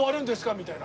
みたいな。